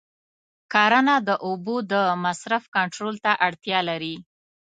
کرنه د اوبو د مصرف کنټرول ته اړتیا لري.